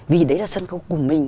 vì đấy là sân khấu của mình